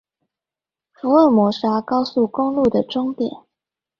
福爾摩沙高速公路的終點